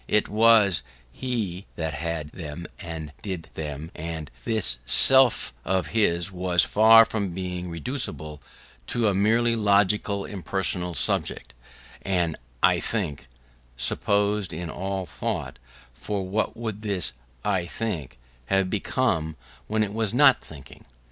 It was he that had them and did them; and this self of his was far from being reducible to a merely logical impersonal subject, an "I think" presupposed in all thought: for what would this "I think" have become when it was not thinking?